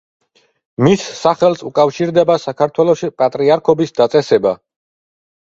მის სახელს უკავშირდება საქართველოში პატრიარქობის დაწესება.